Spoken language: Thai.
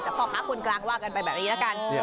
สำหรับข้าวคนกลางว่ากันไปแบบนี้ละกัน